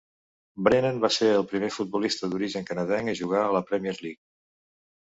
Brennan va ser el primer futbolista d'origen canadenc a jugar a la Premier League.